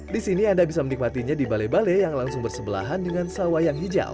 disini anda bisa menikmatinya di bale bale yang langsung bersebelahan dengan sawah yang hijau